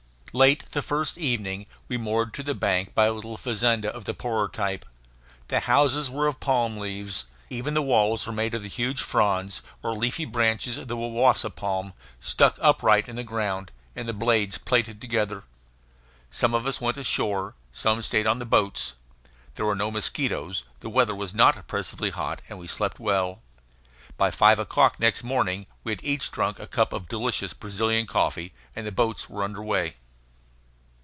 Late the first evening we moored to the bank by a little fazenda of the poorer type. The houses were of palm leaves. Even the walls were made of the huge fronds or leafy branches of the wawasa palm, stuck upright in the ground and the blades plaited together. Some of us went ashore. Some stayed on the boats. There were no mosquitoes, the weather was not oppressively hot, and we slept well. By five o'clock next morning we had each drunk a cup of delicious Brazilian coffee, and the boats were under way.